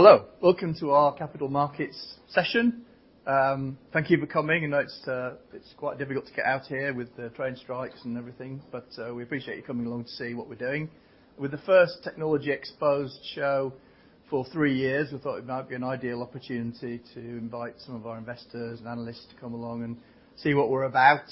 Hello. Welcome to our capital markets session. Thank you for coming. I know it's quite difficult to get out here with the train strikes and everything, but we appreciate you coming along to see what we're doing. With the first technology exposed show for three years, we thought it might be an ideal opportunity to invite some of our investors and analysts to come along and see what we're about.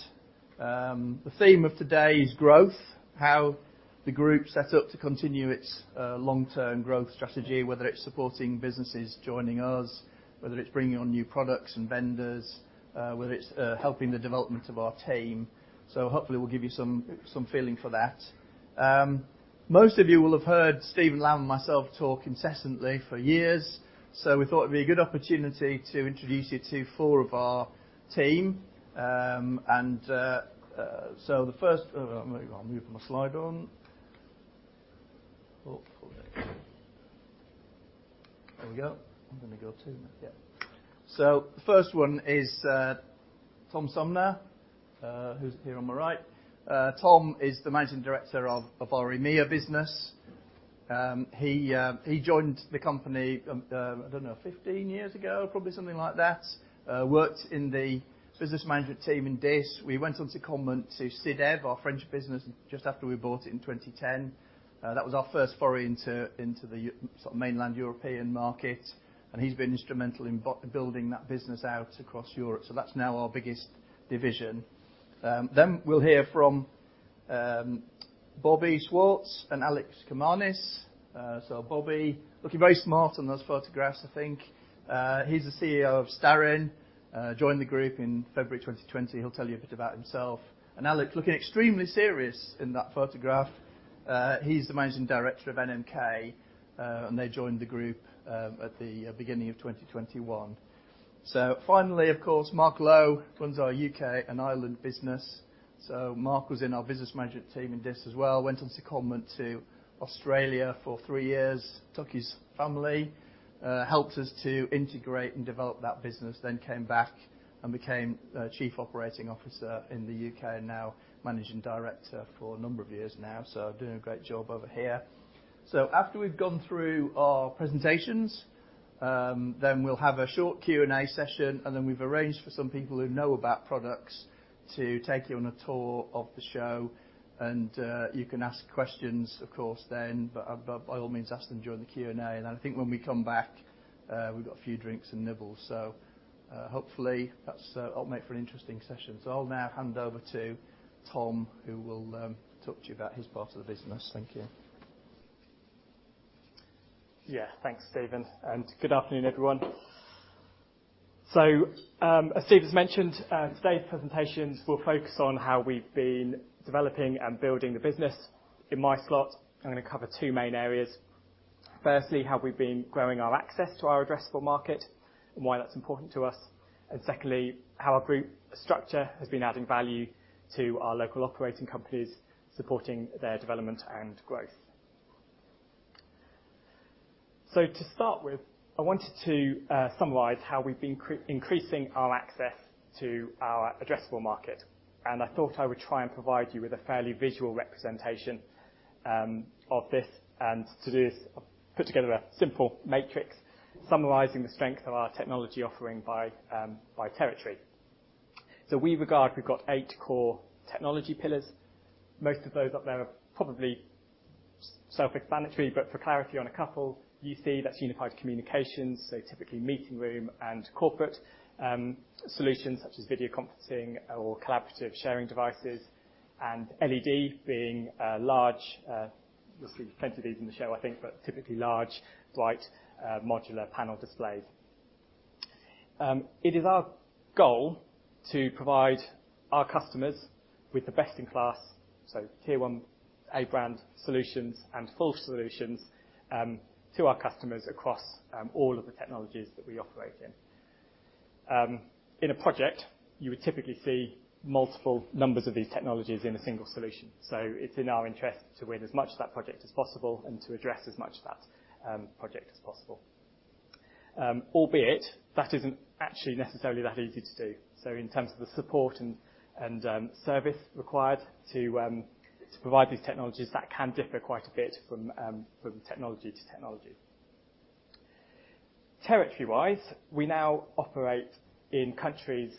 The theme of today is growth, how the group's set up to continue its long-term growth strategy, whether it's supporting businesses joining us, whether it's bringing on new products and vendors, whether it's helping the development of our team. Hopefully, we'll give you some feeling for that. Most of you will have heard Stephen Lamb and myself talk incessantly for years, so we thought it'd be a good opportunity to introduce you to 4 of our team. The first one is Tom Sumner, who's here on my right. Tom is the Managing Director of our EMEA business. He joined the company, I don't know, 15 years ago, probably something like that. He worked in the business management team in Diss. He went on secondment to Sidev, our French business, just after we bought it in 2010. That was our first foray into the sort of mainland European market, and he's been instrumental in building that business out across Europe. That's now our biggest division. We'll hear from Bobby Swartz and Alex Kemanes. Bobby, looking very smart in those photographs, I think. He's the CEO of Starin. Joined the group in February 2020. He'll tell you a bit about himself. Alex, looking extremely serious in that photograph. He's the Managing Director of NMK, and they joined the group at the beginning of 2021. Finally, of course, Mark Lowe runs our U.K. and Ireland business. Mark was in our business management team in Diss as well, went on secondment to Australia for three years, took his family, helped us to integrate and develop that business, then came back and became chief operating officer in the U.K., and now managing director for a number of years now, so doing a great job over here. After we've gone through our presentations, then we'll have a short Q&A session, and then we've arranged for some people who know about products to take you on a tour of the show and you can ask questions of course then, but by all means, ask them during the Q&A. I think when we come back, we've got a few drinks and nibbles. Hopefully that's help make for an interesting session. I'll now hand over to Tom, who will talk to you about his part of the business. Thank you. Yeah. Thanks, Stephen, and good afternoon, everyone. As Steve has mentioned, today's presentations will focus on how we've been developing and building the business. In my slot, I'm gonna cover two main areas. Firstly, how we've been growing our access to our addressable market and why that's important to us. Secondly, how our group structure has been adding value to our local operating companies, supporting their development and growth. To start with, I wanted to summarize how we've been increasing our access to our addressable market, and I thought I would try and provide you with a fairly visual representation of this. To do this, I've put together a simple matrix summarizing the strength of our technology offering by territory. We regard we've got eight core technology pillars. Most of those up there are probably self-explanatory, but for clarity on a couple, UC, that's unified communications, so typically meeting room and corporate solutions such as video conferencing or collaborative sharing devices, and LED being a large, you'll see plenty of these in the show, I think, but typically large, bright, modular panel displays. It is our goal to provide our customers with the best-in-class, so tier one, A brand solutions and full solutions to our customers across all of the technologies that we operate in. In a project, you would typically see multiple numbers of these technologies in a single solution. It's in our interest to win as much of that project as possible and to address as much of that project as possible. Albeit that isn't actually necessarily that easy to do. In terms of the support and service required to provide these technologies, that can differ quite a bit from technology to technology. Territory-wise, we now operate in countries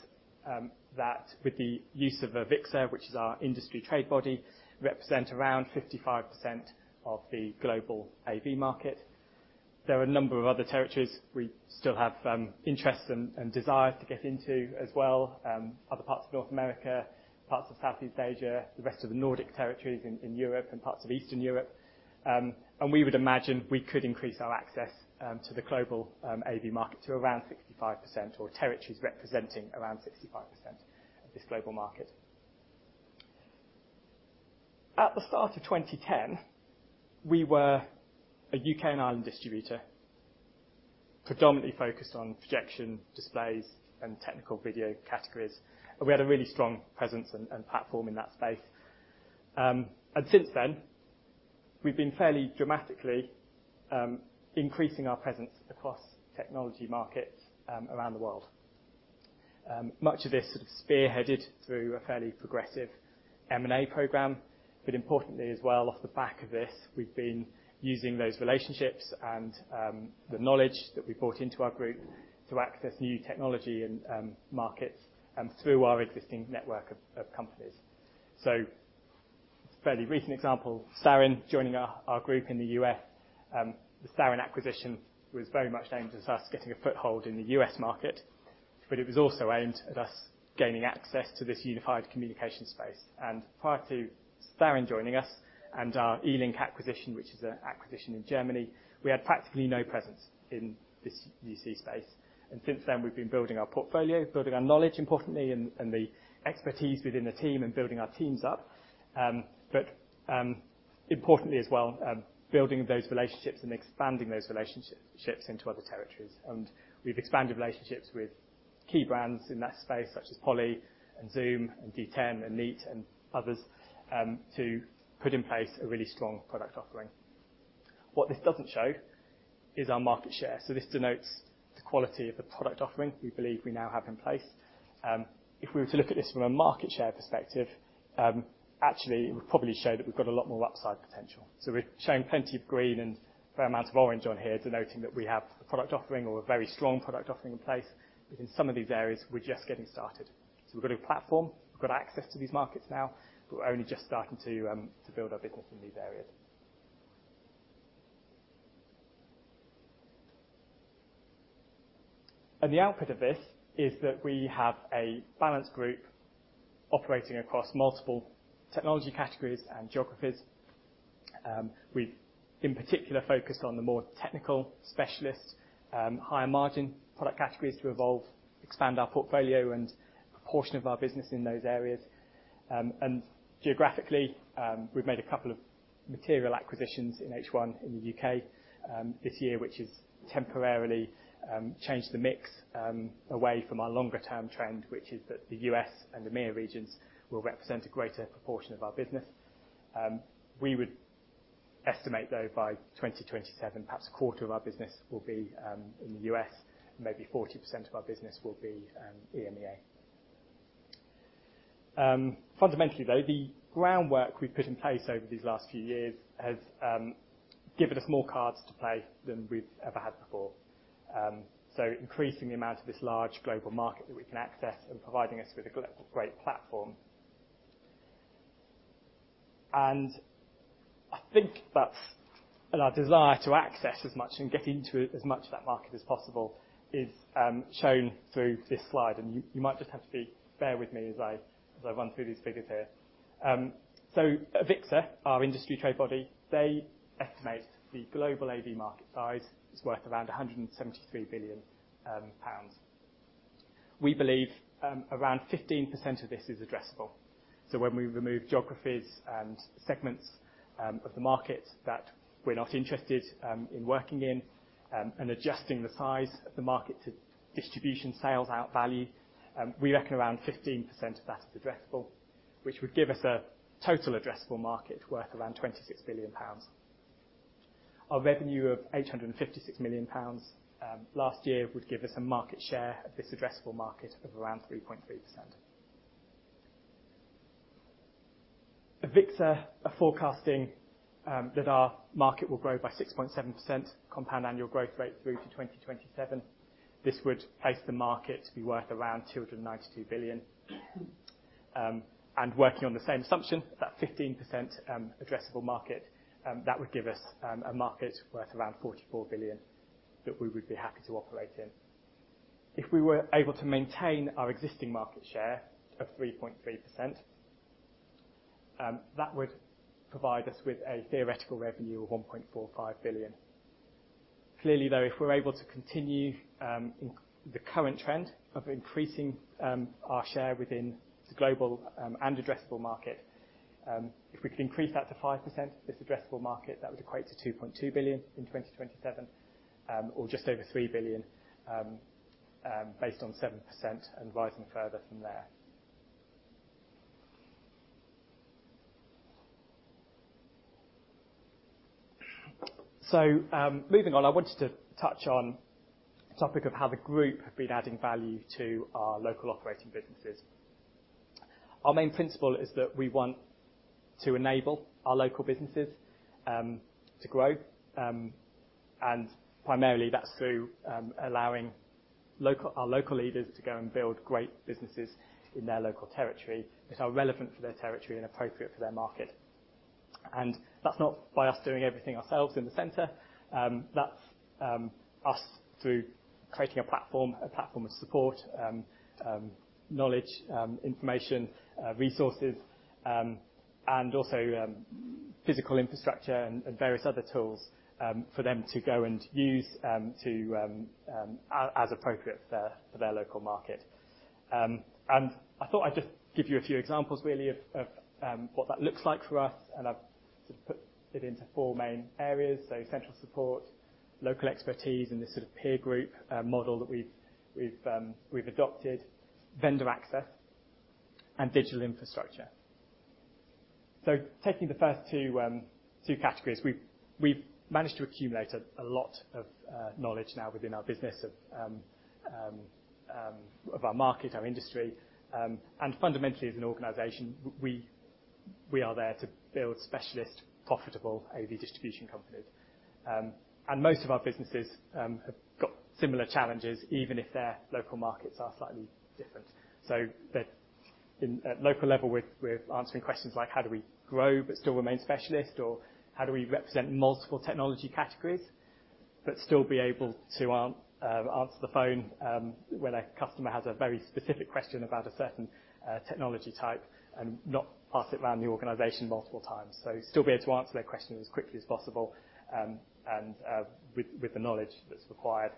that with the use of AVIXA, which is our industry trade body, represent around 55% of the global AV market. There are a number of other territories we still have interest and desire to get into as well, other parts of North America, parts of Southeast Asia, the rest of the Nordic territories in Europe and parts of Eastern Europe. We would imagine we could increase our access to the global AV market to around 65% or territories representing around 65% of this global market. At the start of 2010, we were a U.K. and Ireland distributor predominantly focused on projection displays and technical video categories, and we had a really strong presence and platform in that space. Since then, we've been fairly dramatically increasing our presence across technology markets around the world. Much of this is spearheaded through a fairly progressive M&A program. Importantly as well, off the back of this, we've been using those relationships and the knowledge that we brought into our group to access new technology and markets through our existing network of companies. Fairly recent example, Starin joining our group in the U.S. The Starin acquisition was very much aimed at us getting a foothold in the U,S market, but it was also aimed at us gaining access to this unified communication space. Prior to Starin joining us and our eLink acquisition, which is an acquisition in Germany, we had practically no presence in this UC space. Since then, we've been building our portfolio, building our knowledge importantly, and the expertise within the team and building our teams up. But importantly as well, building those relationships and expanding those relationships into other territories. We've expanded relationships with key brands in that space, such as Poly and Zoom and DTEN and Neat and others, to put in place a really strong product offering. What this doesn't show is our market share. This denotes the quality of the product offering we believe we now have in place. If we were to look at this from a market share perspective, actually it would probably show that we've got a lot more upside potential. We're showing plenty of green and a fair amount of orange on here, denoting that we have a product offering or a very strong product offering in place. In some of these areas, we're just getting started. We've got a platform, we've got access to these markets now, but we're only just starting to build our business in these areas. The output of this is that we have a balanced group operating across multiple technology categories and geographies. We've in particular focused on the more technical specialists, higher margin product categories to evolve, expand our portfolio and proportion of our business in those areas. Geographically, we've made a couple of material acquisitions in H1 in the U.K., this year, which has temporarily changed the mix away from our longer-term trend, which is that the U.S. and EMEA regions will represent a greater proportion of our business. We would estimate though by 2027, perhaps a quarter of our business will be in the U.S., maybe 40% of our business will be EMEA. Fundamentally though, the groundwork we've put in place over these last few years has given us more cards to play than we've ever had before. Increasing the amount of this large global market that we can access and providing us with a great platform. I think that's. Our desire to access as much and get into as much of that market as possible is shown through this slide. You might just have to bear with me as I run through these figures here. AVIXA, our industry trade body, they estimate the global AV market size is worth around 173 billion pounds. We believe around 15% of this is addressable. When we remove geographies and segments of the market that we're not interested in working in, and adjusting the size of the market to distribution sales out value, we reckon around 15% of that is addressable, which would give us a total addressable market worth around 26 billion pounds. Our revenue of 856 million pounds last year would give us a market share of this addressable market of around 3.3%. AVIXA are forecasting that our market will grow by 6.7% compound annual growth rate through to 2027. This would place the market to be worth around 292 billion. Working on the same assumption, that 15% addressable market, that would give us a market worth around 44 billion that we would be happy to operate in. If we were able to maintain our existing market share of 3.3%, that would provide us with a theoretical revenue of 1.45 billion. Clearly, though, if we're able to continue in the current trend of increasing our share within the global and addressable market, if we could increase that to 5%, this addressable market, that would equate to 2.2 billion in 2027, or just over 3 billion based on 7% and rising further from there. Moving on, I wanted to touch on topic of how the group have been adding value to our local operating businesses. Our main principle is that we want to enable our local businesses to grow. Primarily that's through allowing our local leaders to go and build great businesses in their local territory, which are relevant for their territory and appropriate for their market. That's not by us doing everything ourselves in the center. That's us through creating a platform, a platform of support, knowledge, information, resources, and also physical infrastructure and various other tools, for them to go and use, to as appropriate for their local market. I thought I'd just give you a few examples really of what that looks like for us, and I've sort of put it into four main areas. Central support, local expertise, and this sort of peer group model that we've adopted, vendor access, and digital infrastructure. Taking the first two categories, we've managed to accumulate a lot of knowledge now within our business of our market, our industry. Fundamentally, as an organization, we are there to build specialist profitable AV distribution companies. Most of our businesses have got similar challenges even if their local markets are slightly different. At local level, we're answering questions like how do we grow but still remain specialist or how do we represent multiple technology categories, but still be able to answer the phone when a customer has a very specific question about a certain technology type and not pass it around the organization multiple times. Still be able to answer their question as quickly as possible and with the knowledge that's required.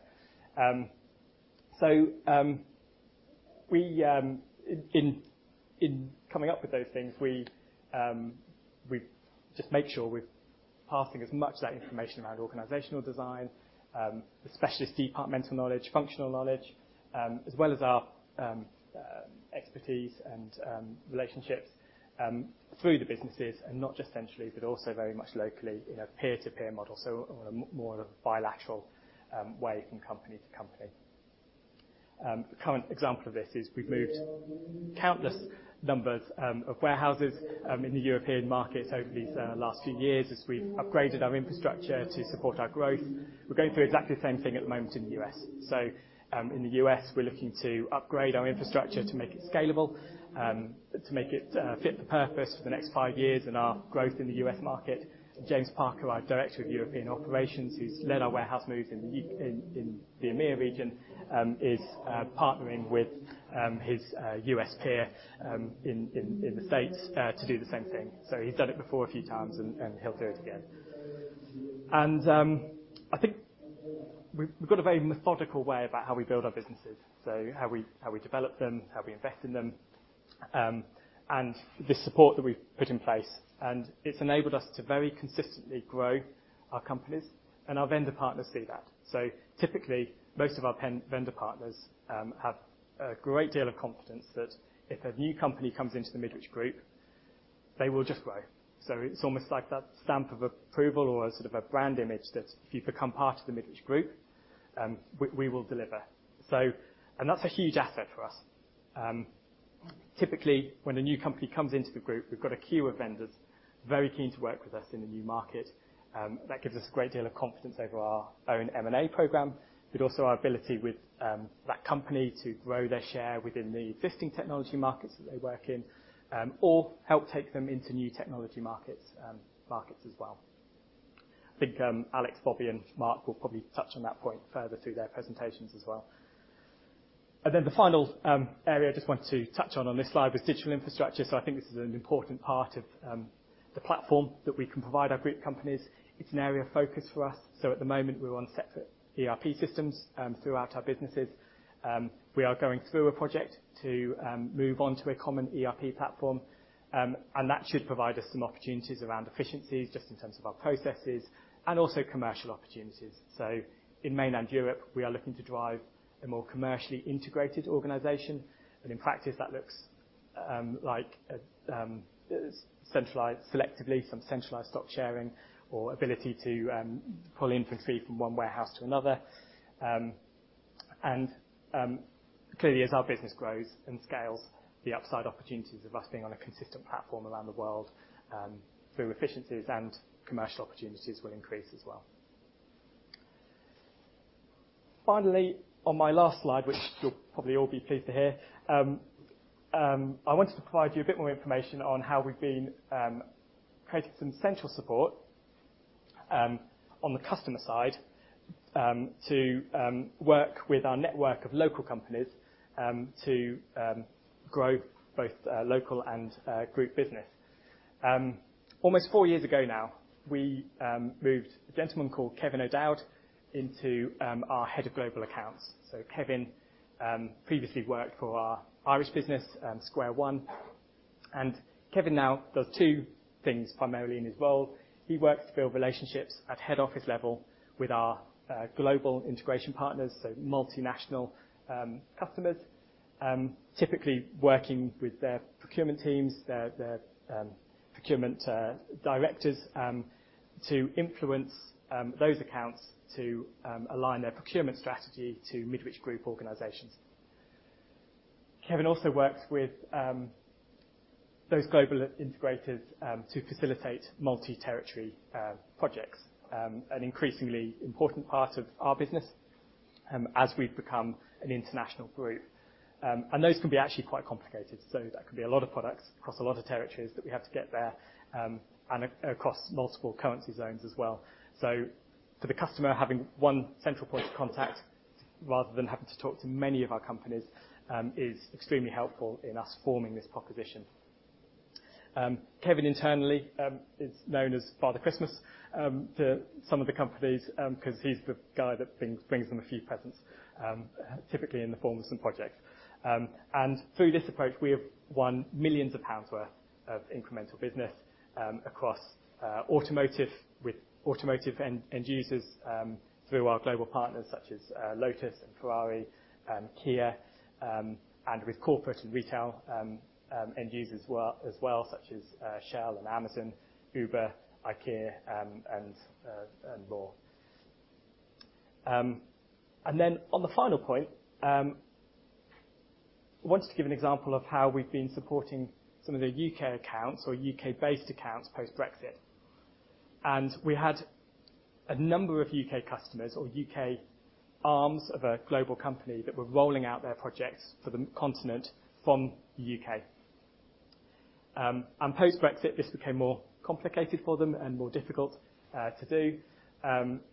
In coming up with those things, we just make sure we're passing as much of that information around organizational design, the specialist departmental knowledge, functional knowledge, as well as our expertise and relationships through the businesses and not just centrally, but also very much locally in a peer-to-peer model, so on a more bilateral way from company to company. A current example of this is we've moved countless numbers of warehouses in the European markets over these last few years as we've upgraded our infrastructure to support our growth. We're going through exactly the same thing at the moment in the US. In the U.S., we're looking to upgrade our infrastructure to make it scalable, to make it fit the purpose for the next five years and our growth in the US market. James Parker, our Director of European Operations, who's led our warehouse moves in the EMEA region, is partnering with his US peer in the States to do the same thing. He's don,e it before a few times and he'll do it again. I think we've got a very methodical way about how we build our businesses. How we develop them, how we invest in them, and the support that we've put in place. It's enabled us to very consistently grow our companies and our vendor partners see that. Typically, most of our vendor partners have a great deal of confidence that if a new company comes into the Midwich Group, they will just grow. It's almost like that stamp of approval or sort of a brand image that if you become part of the Midwich Group, we will deliver. That's a huge asset for us. Typically, when a new company comes into the group, we've got a queue of vendors very keen to work with us in the new market. That gives us a great deal of confidence over our own M&A program, but also our ability with that company to grow their share within the existing technology markets that they work in, or help take them into new technology markets as well. I think, Alex, Bobby, and Mark will probably touch on that point further through their presentations as well. The final area I just wanted to touch on this slide was digital infrastructure. I think this is an important part of the platform that we can provide our group companies. It's an area of focus for us. At the moment, we're on separate ERP systems throughout our businesses. We are going through a project to move on to a common ERP platform. That should provide us some opportunities around efficiencies just in terms of our processes and also commercial opportunities. In mainland Europe, we are looking to drive a more commercially integrated organization. In practice, that looks like centralized. Selectively some centralized stock sharing or ability to pull inventory from one warehouse to another. Clearly as our business grows and scales the upside opportunities of us being on a consistent platform around the world through efficiencies and commercial opportunities will increase as well. Finally, on my last slide, which you'll probably all be pleased to hear, I wanted to provide you a bit more information on how we've been creating some central support on the customer side to work with our network of local companies to grow both local and group business. Almost four years ago now, we moved a gentleman called Kevin O'Dowd into our Head of Global Accounts. Kevin previously worked for our Irish business, Square One. Kevin now does two things, primarily in his role. He works to build relationships at head office level with our global integration partners, so multinational customers, typically working with their procurement teams, their procurement directors, to influence those accounts to align their procurement strategy to Midwich Group organizations. Kevin also works with those global integrators to facilitate multi-territory projects, an increasingly important part of our business, as we've become an international group. Those can be actually quite complicated. That could be a lot of products across a lot of territories that we have to get there, and across multiple currency zones as well. For the customer, having one central point of contact rather than having to talk to many of our companies is extremely helpful in us forming this proposition. Kevin internally is known as Father Christmas to some of the companies 'cause he's the guy that brings them a few presents typically in the form of some projects. Through this approach, we have won millions pounds worth of incremental business across automotive with automotive end users through our global partners such as Lotus and Ferrari, Kia, and with corporate and retail end users as well, such as Shell and Amazon, Uber, IKEA, and more. On the final point, I wanted to give an example of how we've been supporting some of the UK accounts or UK-based accounts post-Brexit. We had a number of U.K. customers or U.K. Arms of a global company that were rolling out their projects for the continent from the UK. Post-Brexit, this became more complicated for them and more difficult to do. Kevin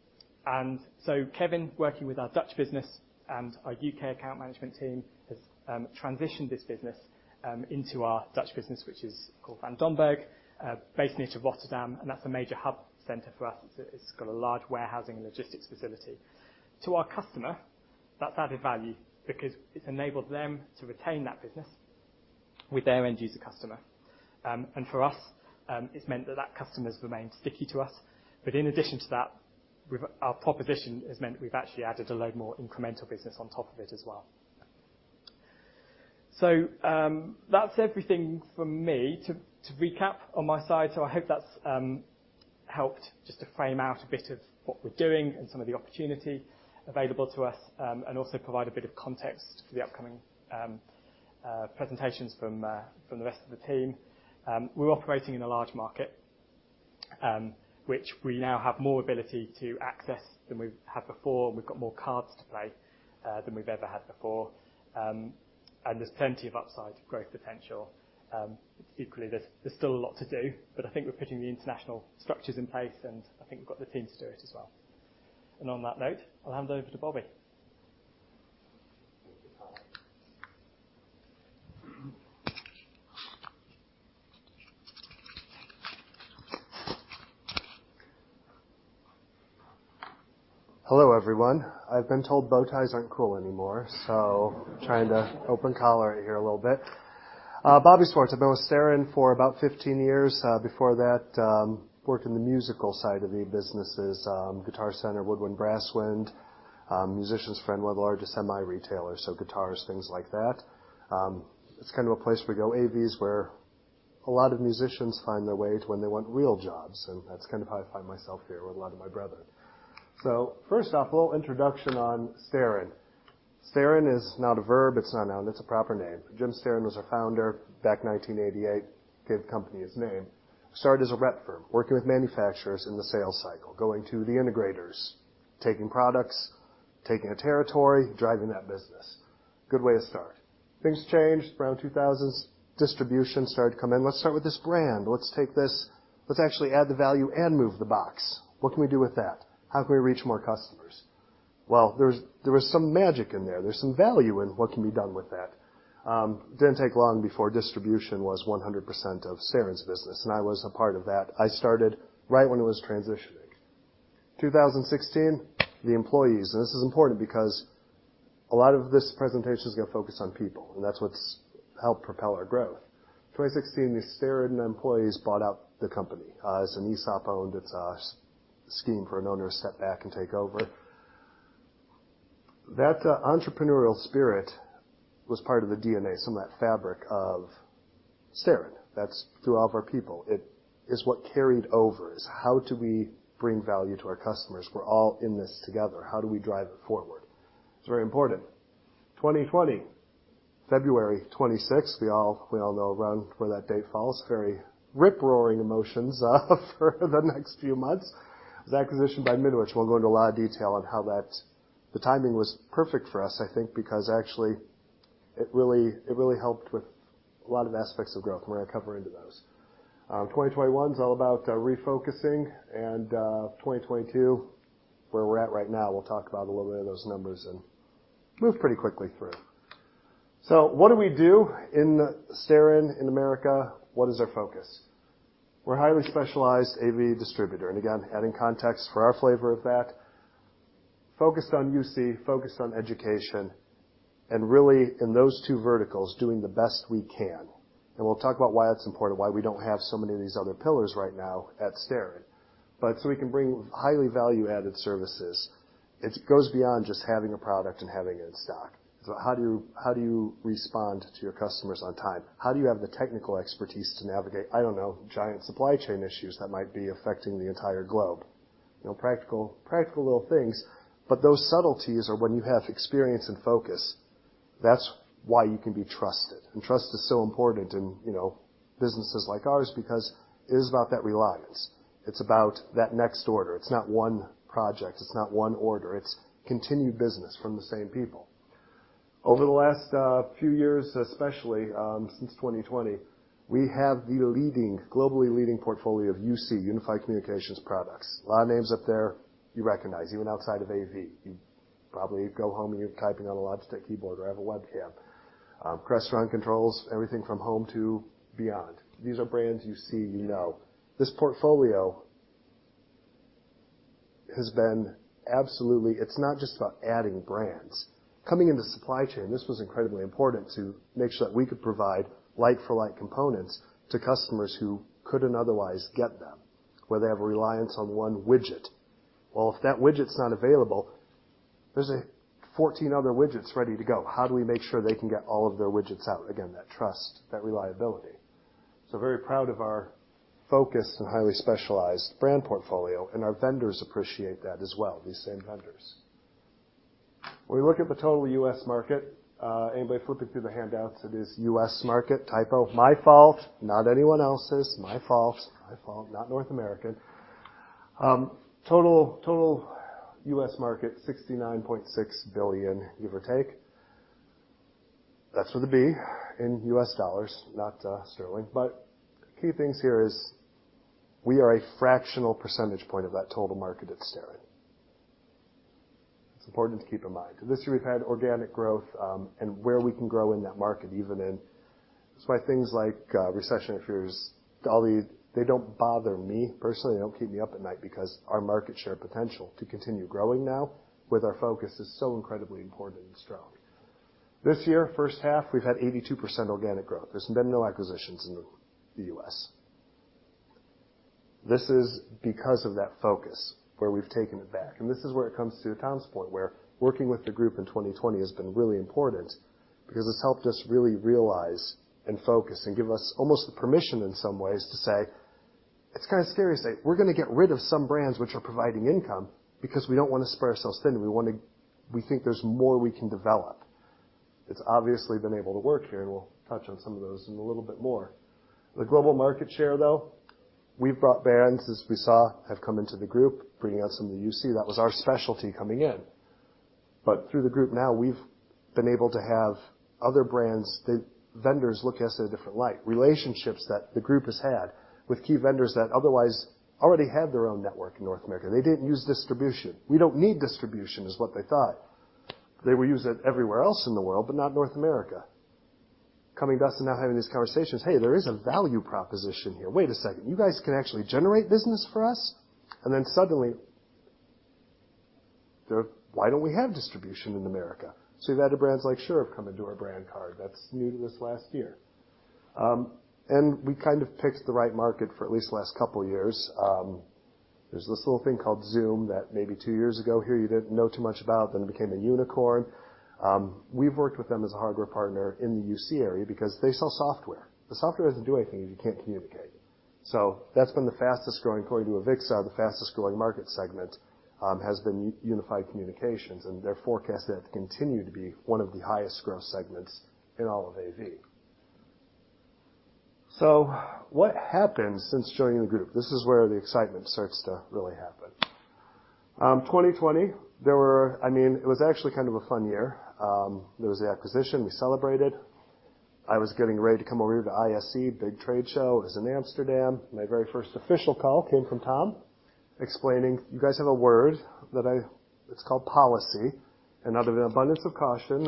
O'Dowd, working with our Dutch business and our UK account management team, has transitioned this business into our Dutch business, which is called Van Domburg, based near to Rotterdam, and that's a major hub center for us. It's got a large warehousing and logistics facility. To our customer, that's added value because it's enabled them to retain that business with their end user customer. For us, it's meant that that customer's remained sticky to us. But in addition to that, our proposition has meant that we've actually added a load more incremental business on top of it as well. That's everything from me. To recap on my side, I hope that's helped just to frame out a bit of what we're doing and some of the opportunity available to us, and also provide a bit of context for the upcoming presentations from the rest of the team. We're operating in a large market, which we now have more ability to access than we've had before. We've got more cards to play than we've ever had before. There's plenty of upside growth potential. Equally, there's still a lot to do, but I think we're putting the international structures in place, and I think we've got the team to do it as well. On that note, I'll hand over to Bobby. Hello, everyone. I've been told bow ties aren't cool anymore, so trying to open collar it here a little bit. Bobby Swartz. I've been with Starin for about 15 years. Before that, worked in the musical side of the businesses, Guitar Center, Woodwind & Brasswind, Musician's Friend, one of the largest music retailers, so guitars, things like that. It's kind of a place where you go, AV is where a lot of musicians find their way to when they want real jobs. That's kinda how I find myself here with a lot of my brethren. First off, a little introduction on Starin. Starin is not a verb. It's not a noun. It's a proper name. Jim Starin was our founder back in 1988, gave the company his name. Started as a rep firm, working with manufacturers in the sales cycle, going to the integrators, taking products, taking a territory, driving that business. Good way to start. Things changed around 2000s. Distribution started to come in. Let's start with this brand. Let's take this. Let's actually add the value and move the box. What can we do with that? How can we reach more customers? Well, there was some magic in there. There's some value in what can be done with that. Didn't take long before distribution was 100% of Starin's business, and I was a part of that. I started right when it was transitioning. 2016, the employees. This is important because a lot of this presentation is gonna focus on people, and that's what's helped propel our growth. 2016, the Starin employees bought out the company. It's an ESOP-owned. It's a scheme for an owner to step back and take over. That entrepreneurial spirit was part of the DNA, some of that fabric of Starin. That's throughout our people. It is what carried over. It's how do we bring value to our customers. We're all in this together. How do we drive it forward? It's very important. 2020, February 26th. We all know around where that date falls. Very rip-roaring emotions for the next few months. The acquisition by Midwich. We'll go into a lot of detail on how that, the timing was perfect for us, I think, because actually it really helped with a lot of aspects of growth, and we're gonna cover into those. 2021's all about refocusing. 2022, where we're at right now, we'll talk about a little bit of those numbers and move pretty quickly through. What do we do in Starin in America? What is our focus? We're a highly specialized AV distributor, and again, adding context for our flavor of that, focused on UC, focused on education, and really in those two verticals, doing the best we can. We'll talk about why that's important, why we don't have so many of these other pillars right now at Starin. We can bring highly value-added services, it goes beyond just having a product and having it in stock. How do you respond to your customers on time? How do you have the technical expertise to navigate, I don't know, giant supply chain issues that might be affecting the entire globe? You know, practical little things, but those subtleties are when you have experience and focus, that's why you can be trusted. Trust is so important in, you know, businesses like ours because it is about that reliance. It's about that next order. It's not one project. It's not one order. It's continued business from the same people. Over the last few years, especially, since 2020, we have the globally leading portfolio of UC, unified communications products. A lot of names up there you recognize, even outside of AV. You probably go home and you're typing on a Logitech keyboard or have a webcam. Crestron controls everything from home to beyond. These are brands you see, you know. This portfolio has been absolutely. It's not just about adding brands. Coming into supply chain, this was incredibly important to make sure that we could provide like-for-like components to customers who couldn't otherwise get them, where they have a reliance on one widget. Well, if that widget's not available, there are fourteen other widgets ready to go. How do we make sure they can get all of their widgets out? Again, that trust, that reliability. Very proud of our focus and highly specialized brand portfolio, and our vendors appreciate that as well, these same vendors. When we look at the total US market, anybody flipping through the handouts, it is US market. Typo, my fault, not anyone else's. My fault, my fault. Not North American. Total US market, $69.6 billion, give or take. That's with a B in US dollars, not sterling. Key things here is we are a fractional percentage point of that total market at Starin. It's important to keep in mind. This year we've had organic growth, and where we can grow in that market. That's why things like recession fears, deflation, they don't bother me personally. They don't keep me up at night because our market share potential to continue growing now with our focus is so incredibly important and strong. This year, first half, we've had 82% organic growth. There's been no acquisitions in the US. This is because of that focus, where we've taken it back. This is where it comes to Tom's point, where working with the group in 2020 has been really important because it's helped us really realize and focus and give us almost the permission in some ways to say, "It's kinda scary to say we're gonna get rid of some brands which are providing income because we don't wanna spread ourselves thin. We wanna think there's more we can develop." It's obviously been able to work here, and we'll touch on some of those in a little bit more. The global market share, though, we've brought brands, as we saw, have come into the group, bringing us some of the UC. That was our specialty coming in. Through the group now, we've been able to have other brands that vendors look at us in a different light. Relationships that the group has had with key vendors that otherwise already had their own network in North America. They didn't use distribution. We don't need distribution, is what they thought. They would use it everywhere else in the world, but not North America. Coming to us and now having these conversations, "Hey, there is a value proposition here. Wait a second. You guys can actually generate business for us?" Suddenly they're, "Why don't we have distribution in America?" We've added brands like Shure have come into our brand card. That's new to this last year. We kind of picked the right market for at least the last couple of years. There's this little thing called Zoom that maybe two years ago here you didn't know too much about, then it became a unicorn. We've worked with them as a hardware partner in the UC area because they sell software. The software doesn't do anything if you can't communicate. That's been the fastest-growing, according to AVIXA, the fastest-growing market segment, has been unified communications, and they're forecasted to continue to be one of the highest growth segments in all of AV. What happened since joining the group? This is where the excitement starts to really happen. 2020, I mean, it was actually kind of a fun year. There was the acquisition. We celebrated. I was getting ready to come over here to ISE, big trade show. It was in Amsterdam. My very first official call came from Tom explaining, "You guys have a word that it's called policy. Out of an abundance of caution,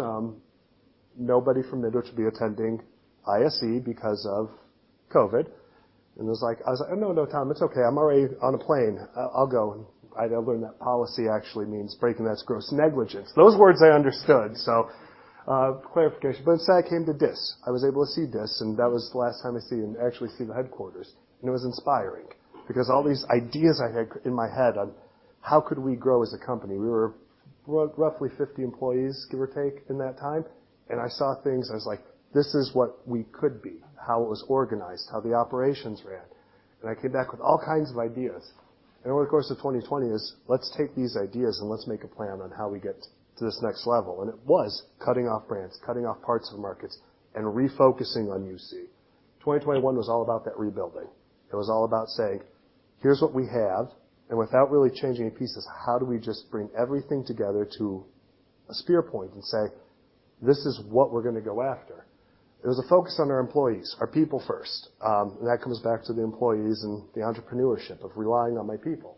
nobody from Midwich should be attending ISE because of COVID. I was like, "Oh, no, Tom, it's okay. I'm already on a plane. I'll go." I learned that policy actually means breaking that's gross negligence. Those words I understood, so clarification. Instead I came to Diss. I was able to see Diss, and that was the last time I seen, actually see the headquarters. It was inspiring because all these ideas I had in my head on how could we grow as a company. We were roughly 50 employees, give or take, in that time. I saw things, I was like, "This is what we could be," how it was organized, how the operations ran. I came back with all kinds of ideas. Over the course of 2020, let's take these ideas and let's make a plan on how we get to this next level. It was cutting off brands, cutting off parts of markets, and refocusing on UC. 2021 was all about that rebuilding. It was all about saying, "Here's what we have," and without really changing any pieces, how do we just bring everything together to a spear point and say, "This is what we're gonna go after." It was a focus on our employees, our people first. That comes back to the employees and the entrepreneurship of relying on my people.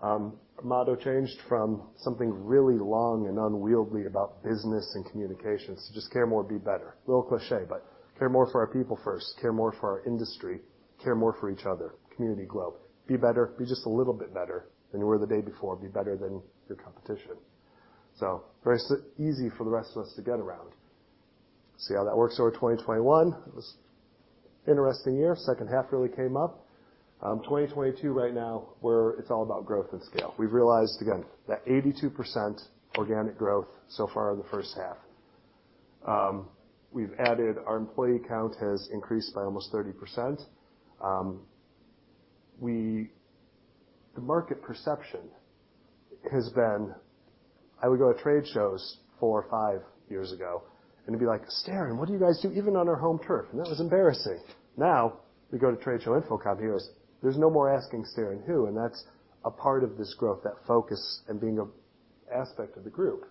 Our motto changed from something really long and unwieldy about business and communications to just care more, be better. A little cliché, but care more for our people first, care more for our industry, care more for each other, community globe. Be better. Be just a little bit better than you were the day before. Be better than your competition. Very easy for the rest of us to get around. See how that works over 2021. It was an interesting year. Second half really came up. 2022 right now, it's all about growth and scale. We've realized again that 82% organic growth so far in the first half. We've added, our employee count has increased by almost 30%. The market perception has been, I would go to trade shows four or five years ago, and it'd be like, "Starin, what do you guys do?" Even on our home turf, and that was embarrassing. Now we go to trade show InfoComm, and here is, there's no more asking Starin who, and that's a part of this growth, that focus and being an aspect of the group.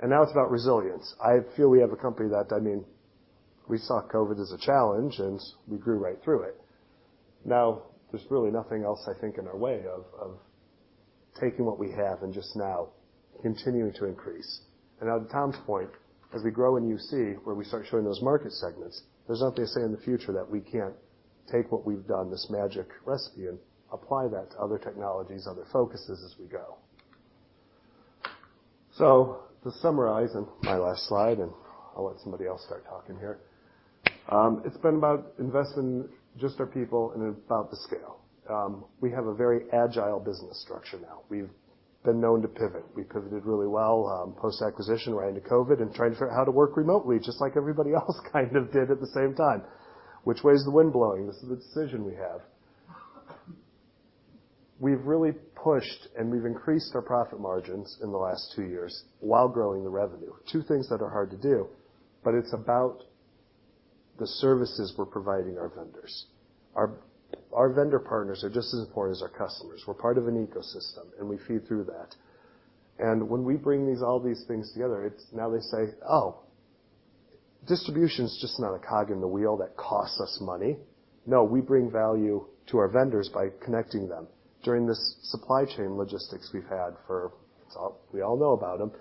Now it's about resilience. I feel we have a company that, I mean, we saw COVID as a challenge, and we grew right through it. Now there's really nothing else, I think, in our way of taking what we have and just now continuing to increase. Now to Tom's point, as we grow in UC, where we start showing those market segments, there's nothing to say in the future that we can't take what we've done, this magic recipe, and apply that to other technologies, other focuses as we go. To summarize, in my last slide, and I'll let somebody else start talking here. It's been about investing just our people and about the scale. We have a very agile business structure now. We've been known to pivot. We pivoted really well post-acquisition right into COVID, and trying to figure out how to work remotely just like everybody else kind of did at the same time. Which way is the wind blowing? This is the decision we have. We've really pushed, and we've increased our profit margins in the last two years while growing the revenue. Two things that are hard to do, but it's about the services we're providing our vendors. Our vendor partners are just as important as our customers. We're part of an ecosystem, and we feed through that. When we bring these all these things together, it's now they say, "Oh, distribution's just not a cog in the wheel that costs us money." No, we bring value to our vendors by connecting them. During this supply chain logistics we've had. We all know about them.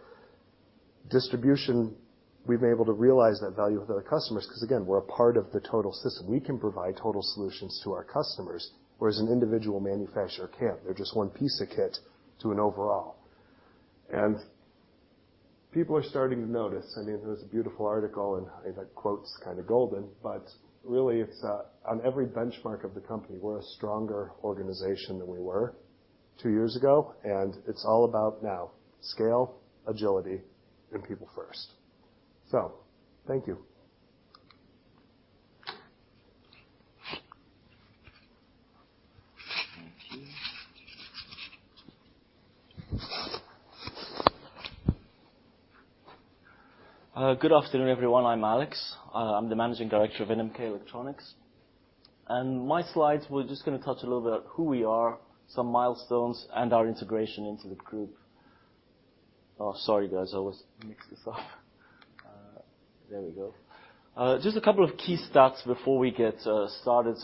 Distribution, we've been able to realize that value with our customers 'cause again, we're a part of the total system. We can provide total solutions to our customers, whereas an individual manufacturer can't. They're just one piece of kit to an overall. People are starting to notice. I mean, there was a beautiful article, and that quote's kind of golden, but really it's on every benchmark of the company, we're a stronger organization than we were two years ago, and it's all about now scale, agility, and people first. Thank you. Thank you. Good afternoon, everyone. I'm Alex. I'm the managing director of NMK Electronics. My slides, we're just gonna touch a little bit who we are, some milestones, and our integration into the group. Sorry, guys, I always mix this up. There we go. Just a couple of key stats before we get started.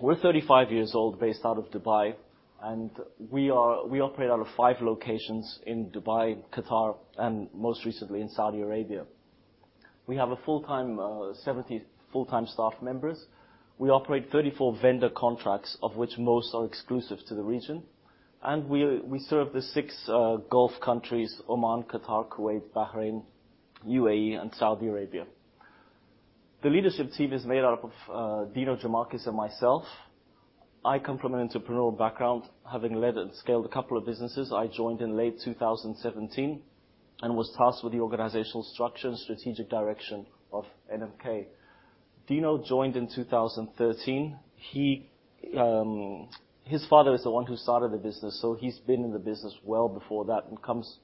We're 35 years old, based out of Dubai, and we operate out of 5 locations in Dubai, Qatar, and most recently in Saudi Arabia. We have 70 full-time staff members. We operate 34 vendor contracts, of which most are exclusive to the region, and we serve the 6 Gulf countries, Oman, Qatar, Kuwait, Bahrain, UAE, and Saudi Arabia. The leadership team is made up of Dino Trimis and myself. I come from an entrepreneurial background, having led and scaled a couple of businesses. I joined in late 2017 and was tasked with the organizational structure and strategic direction of NMK. Dino joined in 2013. He, his father is the one who started the business, so he's been in the business well before that and comes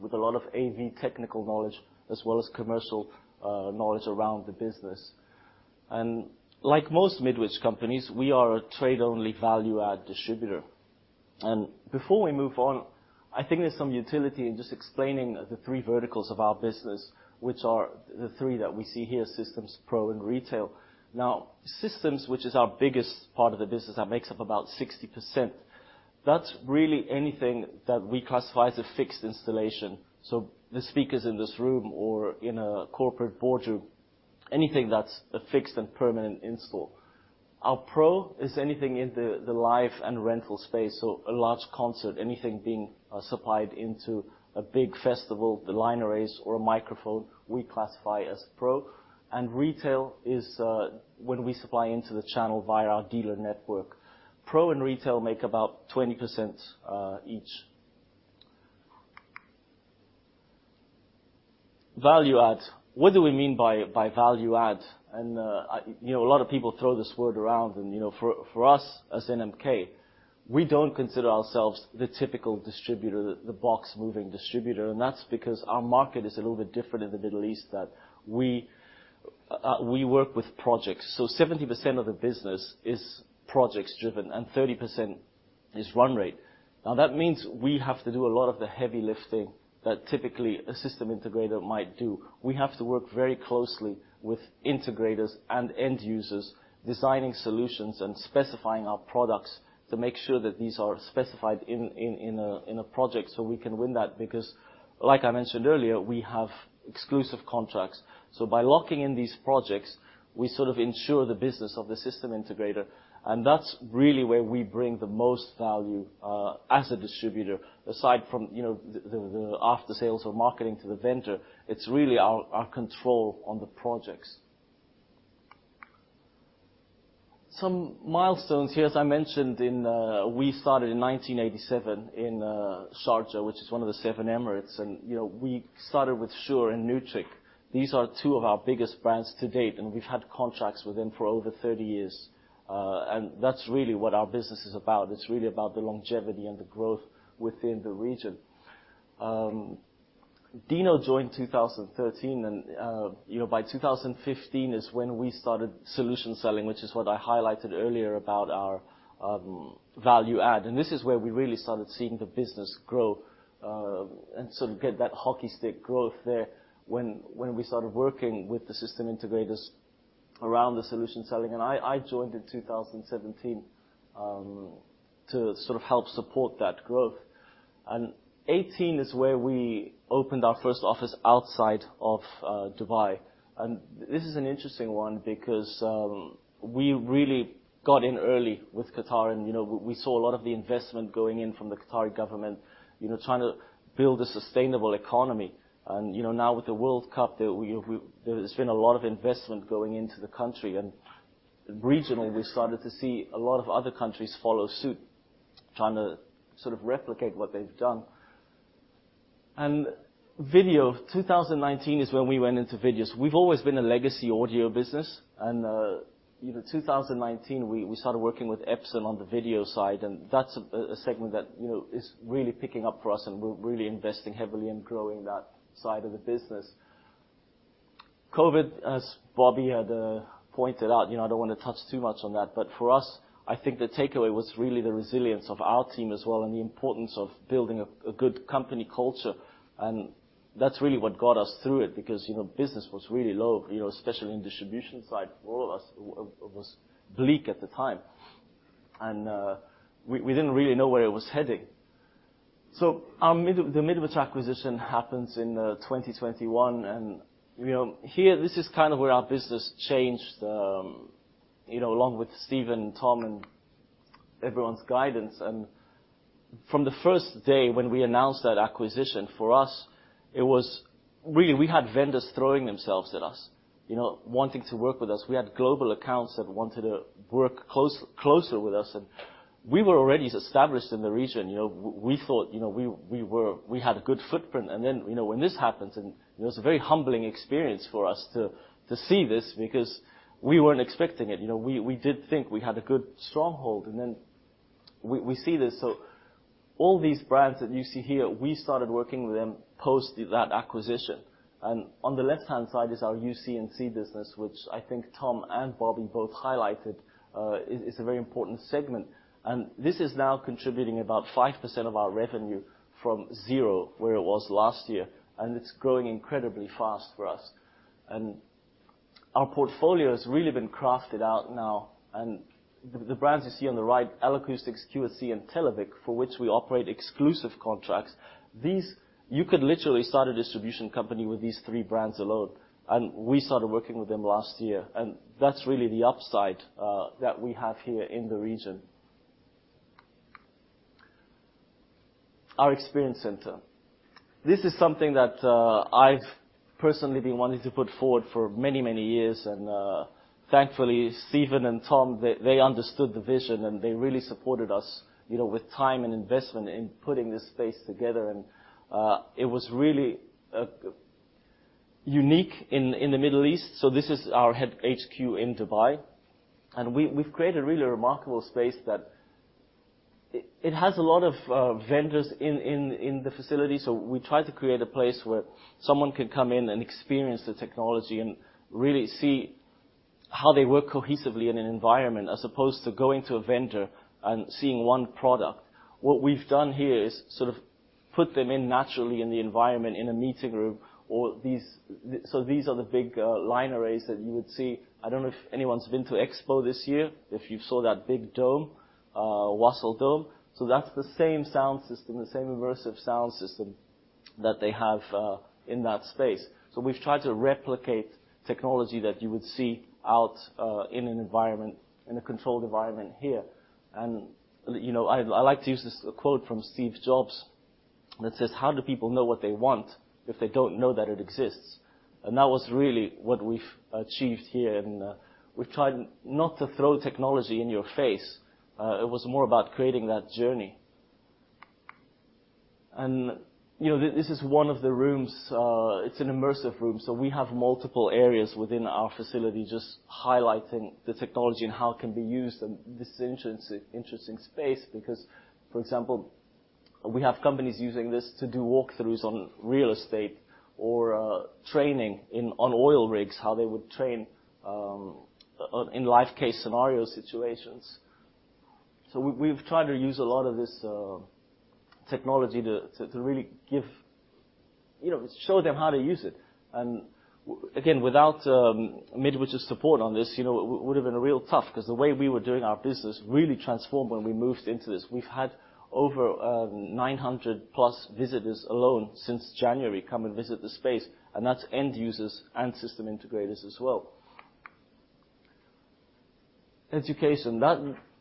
with a lot of AV technical knowledge as well as commercial knowledge around the business. Like most Midwich companies, we are a trade-only value add distributor. Before we move on, I think there's some utility in just explaining the three verticals of our business, which are the three that we see here: Systems, Pro, and Retail. Now, Systems, which is our biggest part of the business, that makes up about 60%, that's really anything that we classify as a fixed installation. The speakers in this room or in a corporate boardroom, anything that's a fixed and permanent install. Our Pro is anything in the live and rental space, so a large concert, anything being supplied into a big festival, the line arrays or a microphone we classify as Pro. Retail is when we supply into the channel via our dealer network. Pro and Retail make about 20%, each. Value add. What do we mean by value add? You know, a lot of people throw this word around, and you know, for us as NMK, we don't consider ourselves the typical distributor, the box-moving distributor, and that's because our market is a little bit different in the Middle East that we work with projects. Seventy percent of the business is projects driven, and 30% is run rate. Now, that means we have to do a lot of the heavy lifting that typically a system integrator might do. We have to work very closely with integrators and end users, designing solutions and specifying our products to make sure that these are specified in a project so we can win that. Because like I mentioned earlier, we have exclusive contracts, so by locking in these projects, we sort of ensure the business of the system integrator, and that's really where we bring the most value as a distributor. Aside from the after-sales or marketing to the vendor, it's really our control on the projects. Some milestones here. As I mentioned, we started in 1987 in Sharjah, which is one of the seven Emirates, and we started with Shure and NewTek. These are two of our biggest brands to date, and we've had contracts with them for over 30 years. That's really what our business is about. It's really about the longevity and the growth within the region. Dino joined 2013 and, you know, by 2015 is when we started solution selling, which is what I highlighted earlier about our value add. This is where we really started seeing the business grow, and sort of get that hockey stick growth there when we started working with the system integrators around the solution selling. I joined in 2017 to sort of help support that growth. 2018 is where we opened our first office outside of Dubai. This is an interesting one because we really got in early with Qatar and, you know, we saw a lot of the investment going in from the Qatari government, you know, trying to build a sustainable economy. You know, now with the World Cup. There's been a lot of investment going into the country. Regionally, we started to see a lot of other countries follow suit, trying to sort of replicate what they've done. Video, 2019 is when we went into videos. We've always been a legacy audio business and, you know, 2019, we started working with Epson on the video side, and that's a segment that, you know, is really picking up for us, and we're really investing heavily in growing that side of the business. COVID, as Bobby had pointed out, you know, I don't wanna touch too much on that, but for us, I think the takeaway was really the resilience of our team as well, and the importance of building a good company culture. That's really what got us through it because, you know, business was really low, you know, especially in the distribution side for all of us. It was bleak at the time. We didn't really know where it was heading. The Midwich acquisition happens in 2021 and, you know, here, this is kind of where our business changed, you know, along with Stephen, Tom, and everyone's guidance. From the first day when we announced that acquisition, for us, it was really we had vendors throwing themselves at us, you know, wanting to work with us. We had global accounts that wanted to work close, closer with us, and we were already established in the region. You know, we thought, you know, we had a good footprint. You know, when this happens, and it was a very humbling experience for us to see this because we weren't expecting it. You know, we did think we had a good stronghold, and then we see this. All these brands that you see here, we started working with them post that acquisition. On the left-hand side is our UC&C business, which I think Tom and Bobby both highlighted, is a very important segment. This is now contributing about 5% of our revenue from zero, where it was last year, and it's growing incredibly fast for us. Our portfolio has really been crafted out now. The brands you see on the right, L-Acoustics, QSC, and Televic, for which we operate exclusive contracts. These. You could literally start a distribution company with these three brands alone. We started working with them last year. That's really the upside that we have here in the region. Our experience center. This is something that I've personally been wanting to put forward for many, many years and, thankfully, Stephen and Tom, they understood the vision, and they really supported us, you know, with time and investment in putting this space together. It was really unique in the Middle East. This is our HQ in Dubai. We've created a really remarkable space that it has a lot of vendors in the facility. We try to create a place where someone can come in and experience the technology and really see how they work cohesively in an environment as opposed to going to a vendor and seeing one product. What we've done here is sort of put them in naturally in the environment in a meeting room or these. These are the big line arrays that you would see. I don't know if anyone's been to Expo this year, if you saw that big dome, Al Wasl Dome. That's the same sound system, the same immersive sound system that they have in that space. We've tried to replicate technology that you would see out in an environment, in a controlled environment here. I like to use this quote from Steve Jobs that says, "How do people know what they want if they don't know that it exists?" That was really what we've achieved here and we've tried not to throw technology in your face. It was more about creating that journey. This is one of the rooms. It's an immersive room, so we have multiple areas within our facility just highlighting the technology and how it can be used. This is an interesting space because, for example, we have companies using this to do walkthroughs on real estate or training on oil rigs, how they would train on in life case scenario situations. We've tried to use a lot of this technology to really give. You know, show them how to use it. Again, without Midwich's support on this, you know, it would've been real tough 'cause the way we were doing our business really transformed when we moved into this. We've had over 900 plus visitors alone since January come and visit the space, and that's end users and system integrators as well. Education.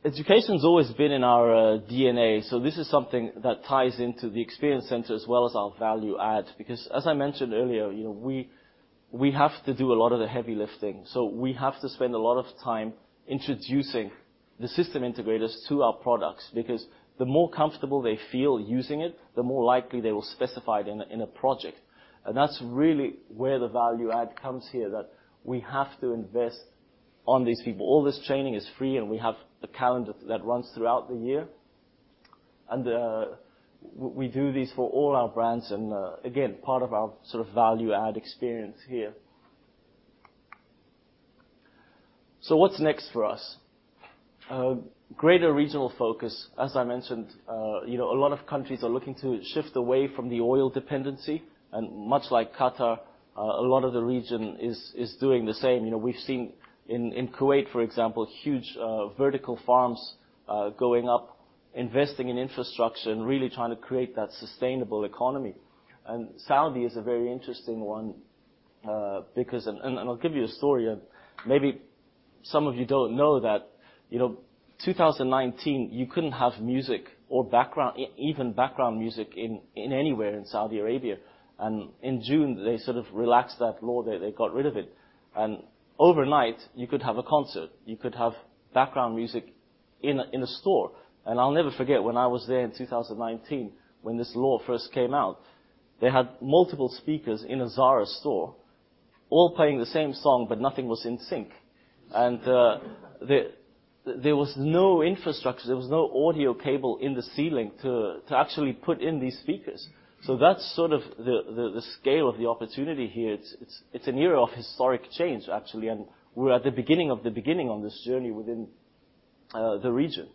Education's always been in our DNA, so this is something that ties into the experience center as well as our value add because, as I mentioned earlier, you know, we have to do a lot of the heavy lifting. We have to spend a lot of time introducing the system integrators to our products because the more comfortable they feel using it, the more likely they will specify it in a project. That's really where the value add comes here, that we have to invest in these people. All this training is free, and we have a calendar that runs throughout the year. We do this for all our brands and, again, part of our sort of value add experience here. What's next for us? Greater regional focus. As I mentioned, you know, a lot of countries are looking to shift away from the oil dependency, and much like Qatar, a lot of the region is doing the same. You know, we've seen in Kuwait, for example, huge vertical farms going up, investing in infrastructure and really trying to create that sustainable economy. Saudi is a very interesting one, because I'll give you a story. Maybe some of you don't know that. You know, 2019, you couldn't have music or background music in anywhere in Saudi Arabia. In June, they sort of relaxed that law. They got rid of it. Overnight, you could have a concert, you could have background music in a store. I'll never forget when I was there in 2019 when this law first came out, they had multiple speakers in a Zara store all playing the same song, but nothing was in sync. There was no infrastructure, there was no audio cable in the ceiling to actually put in these speakers. That's sort of the scale of the opportunity here. It's an era of historic change, actually, and we're at the beginning of the beginning on this journey within the region.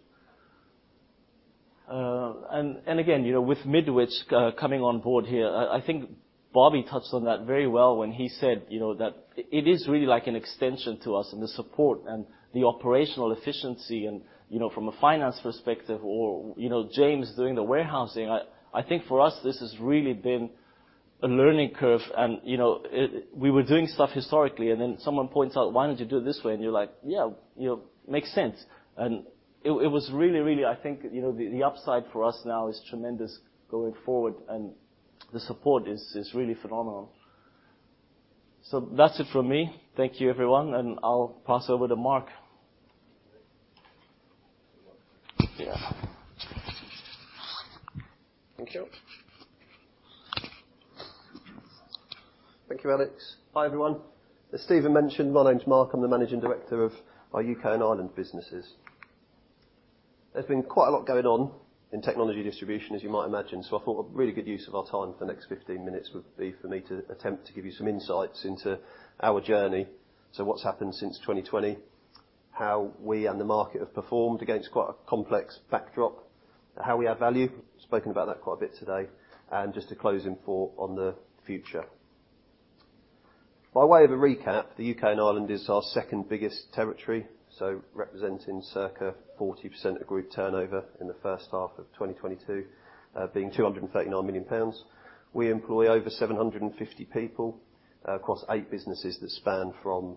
Again, you know, with Midwich coming on board here, I think Bobby touched on that very well when he said, you know, that it is really like an extension to us in the support and the operational efficiency and, you know, from a finance perspective or, you know, James doing the warehousing. I think for us, this has really been a learning curve and, you know, we were doing stuff historically, and then someone points out, "Why don't you do it this way?" You're like, "Yeah, you know, makes sense." It was really, I think, you know, the upside for us now is tremendous going forward, and the support is really phenomenal. That's it from me. Thank you, everyone, and I'll pass over to Mark. Great. Yeah. Thank you. Thank you, Alex. Hi, everyone. As Stephen mentioned, my name's Mark. I'm the Managing Director of our UK and Ireland businesses. There's been quite a lot going on in technology distribution, as you might imagine, so I thought a really good use of our time for the next 15 minutes would be for me to attempt to give you some insights into our journey. What's happened since 2020, how we and the market have performed against quite a complex backdrop, how we add value, spoken about that quite a bit today, and just a closing thought on the future. By way of a recap, the U.K. and Ireland is our second-biggest territory, so representing circa 40% of group turnover in the first half of 2022, being 239 million pounds. We employ over 750 people across eight businesses that span from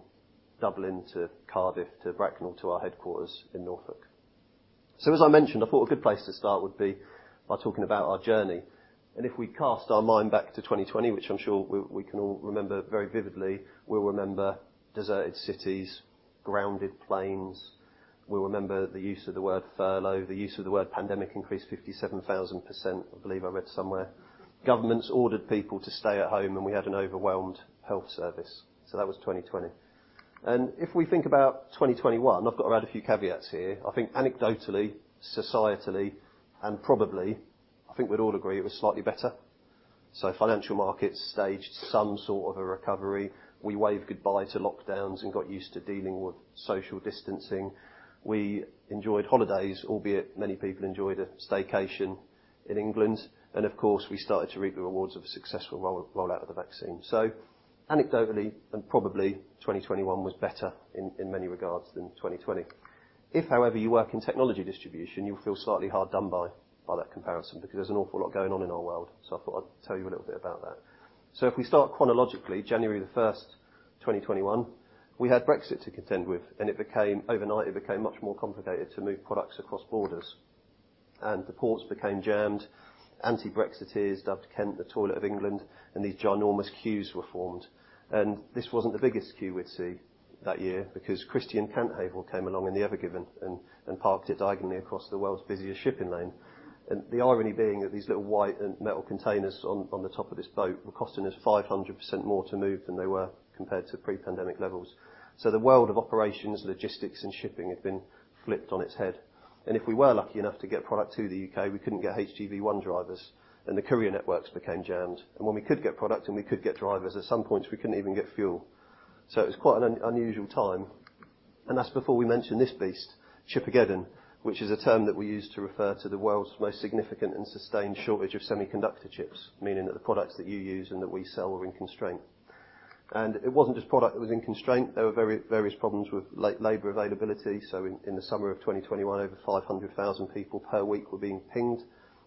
Dublin to Cardiff to Bracknell to our headquarters in Norfolk. As I mentioned, I thought a good place to start would be by talking about our journey. If we cast our mind back to 2020, which I'm sure we can all remember very vividly, we'll remember deserted cities, grounded planes. We remember the use of the word furlough. The use of the word pandemic increased 57,000%, I believe I read somewhere. Governments ordered people to stay at home, and we had an overwhelmed health service. That was 2020. If we think about 2021, I've got to add a few caveats here. I think anecdotally, societally, and probably, I think we'd all agree it was slightly better. Financial markets staged some sort of a recovery. We waved goodbye to lockdowns and got used to dealing with social distancing. We enjoyed holidays, albeit many people enjoyed a staycation in England. Of course, we started to reap the rewards of a successful roll-out of the vaccine. Anecdotally, and probably, 2021 was better in many regards than 2020. If however you work in technology distribution, you'll feel slightly hard done by that comparison because there's an awful lot going on in our world, so I thought I'd tell you a little bit about that. If we start chronologically, January 1, 2021, we had Brexit to contend with, and it became overnight much more complicated to move products across borders. The ports became jammed. Anti-Brexiteers dubbed Kent the toilet of England, and these ginormous queues were formed. This wasn't the biggest queue we'd see that year because Krishnan Kanthavel came along in the Ever Given and parked it diagonally across the world's busiest shipping lane. The irony being that these little white and metal containers on the top of this boat were costing us 500% more to move than they were compared to pre-pandemic levels. The world of operations, logistics, and shipping had been flipped on its head. If we were lucky enough to get product to the UK, we couldn't get HGV drivers, and the courier networks became jammed. When we could get product and we could get drivers, at some points we couldn't even get fuel. It was quite an unusual time. That's before we mention this beast, Chipageddon, which is a term that we use to refer to the world's most significant and sustained shortage of semiconductor chips, meaning that the products that you use and that we sell were in constraint. It wasn't just product that was in constraint, there were various problems with labor availability. In the summer of 2021, over 500,000 people per week were being pinged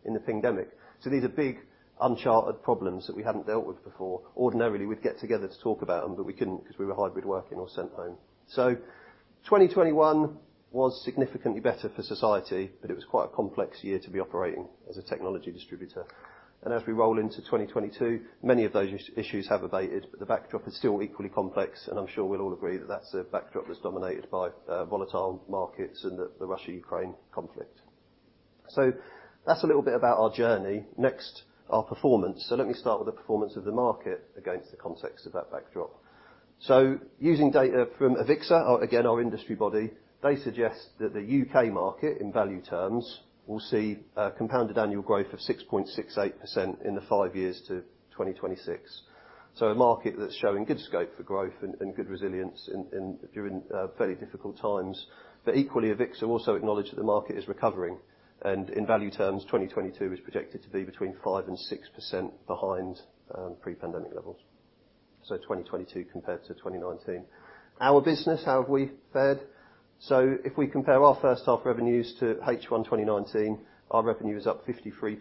in the pingdemic. These are big, uncharted problems that we hadn't dealt with before. Ordinarily, we'd get together to talk about them, but we couldn't because we were hybrid working or sent home. 2021 was significantly better for society, but it was quite a complex year to be operating as a technology distributor. As we roll into 2022, many of those issues have abated, but the backdrop is still equally complex, and I'm sure we'll all agree that that's a backdrop that's dominated by volatile markets and the Russia-Ukraine conflict. That's a little bit about our journey. Next, our performance. Let me start with the performance of the market against the context of that backdrop. Using data from AVIXA, our again our industry body, they suggest that the UK market in value terms will see a compounded annual growth of 6.68% in the five years to 2026. A market that's showing good scope for growth and good resilience during fairly difficult times. Equally, AVIXA also acknowledge that the market is recovering, and in value terms, 2022 is projected to be between 5%-6% behind pre-pandemic levels. 2022 compared to 2019. Our business, how have we fared? If we compare our first half revenues to H1 2019, our revenue is up 53%,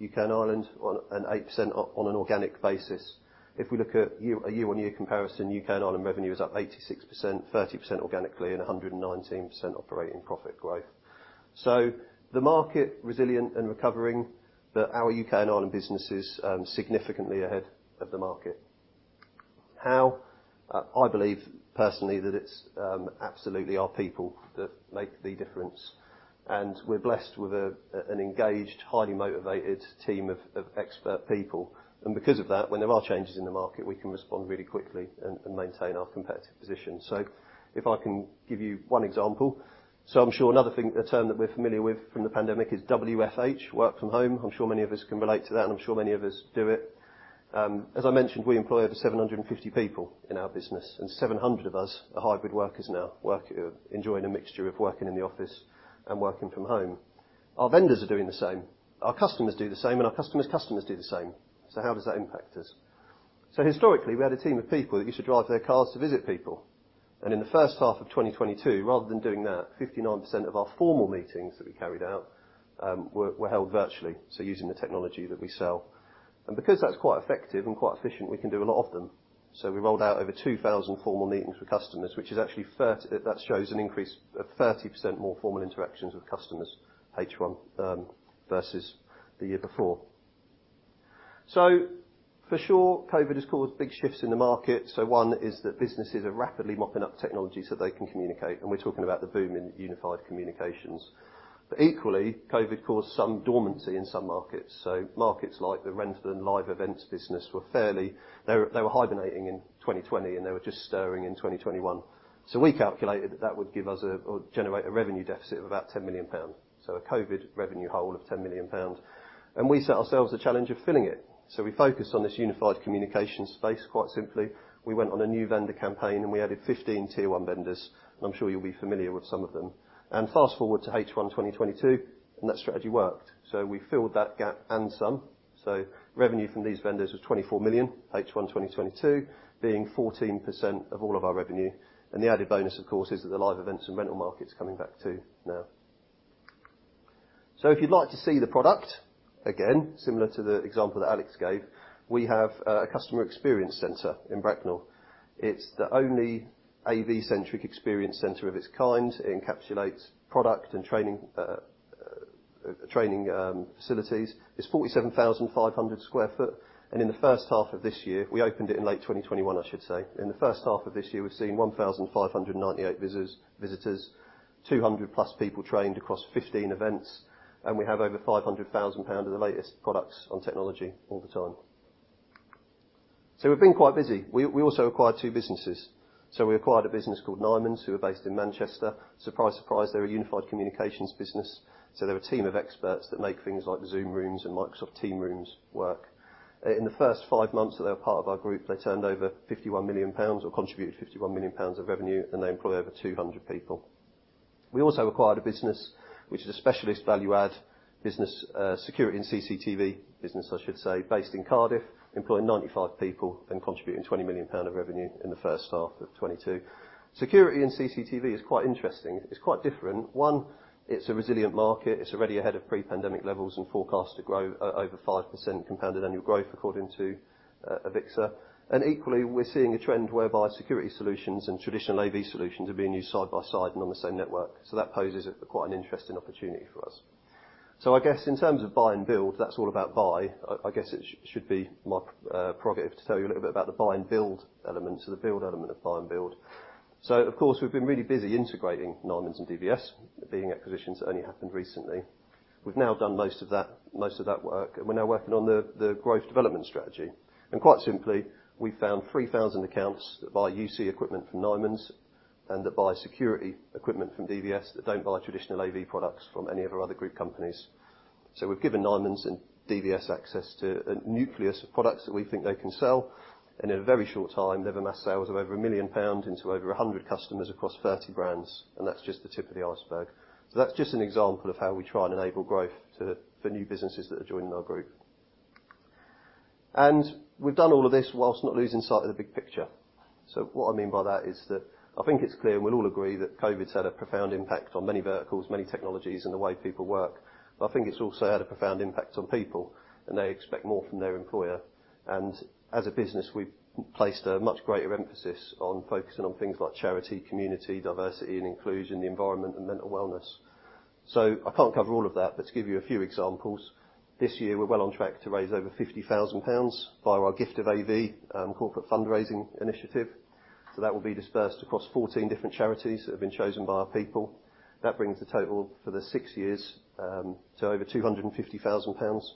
U.K, and Ireland and 8% on an organic basis. If we look at a year-on-year comparison, U.K. and Ireland revenue is up 86%, 30% organically, and 119% operating profit growth. The market, resilient and recovering. Our U.K. and Ireland business is significantly ahead of the market. How? I believe personally that it's absolutely our people that make the difference, and we're blessed with an engaged, highly motivated team of expert people. Because of that, when there are changes in the market, we can respond really quickly and maintain our competitive position. If I can give you one example. I'm sure another thing, a term that we're familiar with from the pandemic is WFH, work from home. I'm sure many of us can relate to that, and I'm sure many of us do it. As I mentioned, we employ over 750 people in our business, and 700 of us are hybrid workers now, enjoying a mixture of working in the office and working from home. Our vendors are doing the same, our customers do the same, and our customers' customers do the same. How does that impact us? Historically, we had a team of people that used to drive their cars to visit people. In the first half of 2022, rather than doing that, 59% of our formal meetings that we carried out were held virtually, so using the technology that we sell. Because that's quite effective and quite efficient, we can do a lot of them. We rolled out over 2,000 formal meetings with customers, which is actually that shows an increase of 30% more formal interactions with customers H1 versus the year before. For sure, COVID has caused big shifts in the market. One is that businesses are rapidly mopping up technology so they can communicate, and we're talking about the boom in unified communications. Equally, COVID caused some dormancy in some markets. Markets like the rental and live events business were fairly. They were hibernating in 2020, and they were just stirring in 2021. We calculated that would give us or generate a revenue deficit of about 10 million pounds. A COVID revenue hole of 10 million pounds. We set ourselves the challenge of filling it. We focused on this unified communication space, quite simply. We went on a new vendor campaign, and we added 15 tier one vendors, and I'm sure you'll be familiar with some of them. Fast-forward to H1 2022, and that strategy worked. We filled that gap and some. Revenue from these vendors was 24 million H1 2022, being 14% of all of our revenue. The added bonus, of course, is that the live events and rental market's coming back too now. If you'd like to see the product, again, similar to the example that Alex gave, we have a customer experience center in Bracknell. It's the only AV-centric experience center of its kind. It encapsulates product and training facilities. It's 47,500 sq ft. In the first half of this year, we opened it in late 2021, I should say. In the first half of this year, we've seen 1,598 visitors, 200+ people trained across 15 events, and we have over 500,000 pounds of the latest products on technology all the time. We've been quite busy. We also acquired two businesses. We acquired a business called Nimans, who are based in Manchester. Surprise, surprise, they're a unified communications business. They're a team of experts that make things like Zoom Rooms and Microsoft Teams Rooms work. In the first five months that they were part of our group, they turned over 51 million pounds, or contributed 51 million pounds of revenue, and they employ over 200 people. We also acquired a business which is a specialist value-add business, security and CCTV business, I should say, based in Cardiff, employing 95 people and contributing 20 million pound of revenue in the first half of 2022. Security and CCTV is quite interesting. It's quite different. One, it's a resilient market. It's already ahead of pre-pandemic levels and forecast to grow over 5% compounded annual growth according to AVIXA. Equally, we're seeing a trend whereby security solutions and traditional AV solutions are being used side by side and on the same network. That poses quite an interesting opportunity for us. I guess in terms of buy and build, that's all about buy. I guess it should be my prerogative to tell you a little bit about the buy and build element, the build element of buy and build. Of course, we've been really busy integrating Nimans and DVS, being acquisitions that only happened recently. We've now done most of that work, and we're now working on the growth development strategy. Quite simply, we found 3,000 accounts that buy UC equipment from Nimans and that buy security equipment from DVS that don't buy traditional AV products from any of our other group companies. We've given Nimans and DVS access to nucleus products that we think they can sell. In a very short time, they've amassed sales of over 1 million pounds into over 100 customers across 30 brands, and that's just the tip of the iceberg. That's just an example of how we try and enable growth to, for new businesses that are joining our group. We've done all of this while not losing sight of the big picture. What I mean by that is that I think it's clear, and we'll all agree, that COVID's had a profound impact on many verticals, many technologies, and the way people work. I think it's also had a profound impact on people, and they expect more from their employer. As a business, we've placed a much greater emphasis on focusing on things like charity, community, diversity and inclusion, the environment, and mental wellness. I can't cover all of that, but to give you a few examples, this year we're well on track to raise over 50 thousand pounds via our Gift of AV corporate fundraising initiative. That will be dispersed across 14 different charities that have been chosen by our people. That brings the total for the six years to over 250 thousand pounds.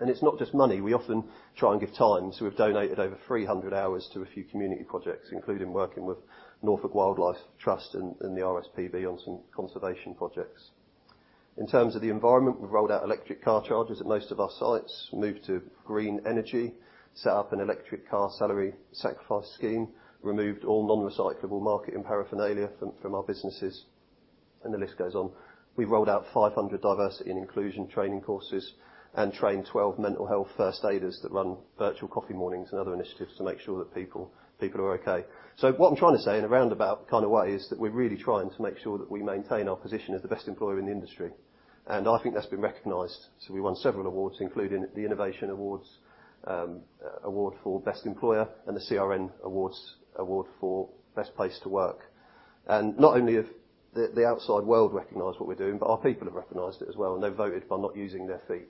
It's not just money. We often try and give time. We've donated over 300 hours to a few community projects, including working with Norfolk Wildlife Trust and the RSPB on some conservation projects. In terms of the environment, we've rolled out electric car chargers at most of our sites, moved to green energy, set up an electric car salary sacrifice scheme, removed all non-recyclable marketing paraphernalia from our businesses, and the list goes on. We've rolled out 500 diversity and inclusion training courses and trained 12 mental health first aiders that run virtual coffee mornings and other initiatives to make sure that people are okay. What I'm trying to say in a roundabout kind of way is that we're really trying to make sure that we maintain our position as the best employer in the industry. I think that's been recognized. We won several awards, including the Inavation Awards Award for Best Employer and the CRN Awards Award for Best Place to Work. Not only have the outside world recognized what we're doing, but our people have recognized it as well, and they voted by not using their feet.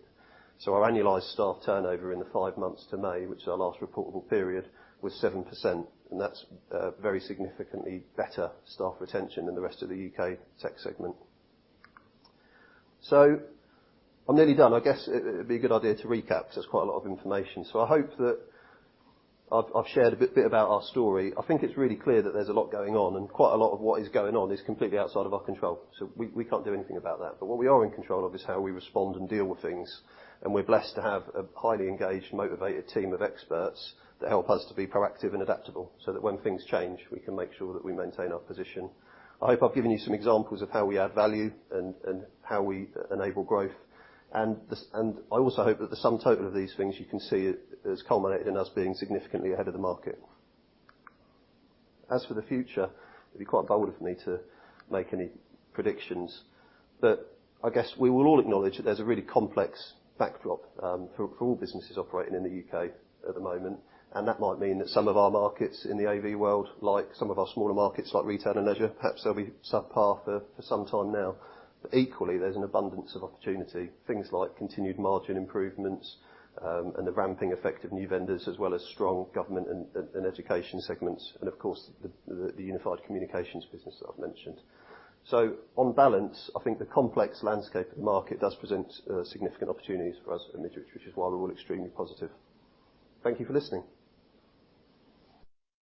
Our annualized staff turnover in the five months to May, which is our last reportable period, was 7%, and that's very significantly better staff retention than the rest of the UK tech segment. I'm nearly done. I guess it'd be a good idea to recap 'cause it's quite a lot of information. I hope that I've shared a bit about our story. I think it's really clear that there's a lot going on, and quite a lot of what is going on is completely outside of our control. We can't do anything about that. What we are in control of is how we respond and deal with things, and we're blessed to have a highly engaged, motivated team of experts that help us to be proactive and adaptable so that when things change, we can make sure that we maintain our position. I hope I've given you some examples of how we add value and how we enable growth. I also hope that the sum total of these things you can see has culminated in us being significantly ahead of the market. As for the future, it'd be quite bold of me to make any predictions. I guess we will all acknowledge that there's a really complex backdrop for all businesses operating in the U.K. at the moment, and that might mean that some of our markets in the AV world, like some of our smaller markets like retail and leisure, perhaps they'll be subpar for some time now. Equally, there's an abundance of opportunity. Things like continued margin improvements and the ramping effect of new vendors, as well as strong government and education segments and, of course, the unified communications business that I've mentioned. On balance, I think the complex landscape of the market does present significant opportunities for us at Midwich, which is why we're all extremely positive. Thank you for listening.